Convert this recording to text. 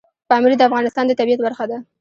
پامیر د افغانستان د طبیعت برخه ده.